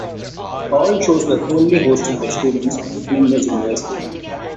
All shows were solely hosted by students from Flinders University.